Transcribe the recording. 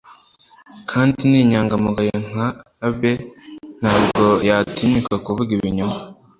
kandi ni inyangamugayo nka abe, ntabwo yatinyuka kuvuga ibinyoma